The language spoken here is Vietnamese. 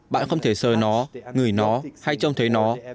bạn không thể sờ nó ngửi nó hay trông thấy nó